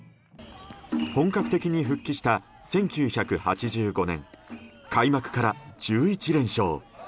本格的に復帰した１９８５年開幕から１１連勝。